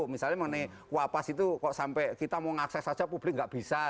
misalnya mengenai wapas itu kok sampai kita mau mengakses saja publik nggak bisa